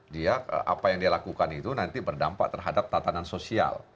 dia apa yang dia lakukan itu nanti berdampak terhadap tatanan sosial